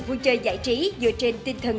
vui chơi giải trí dựa trên tinh thần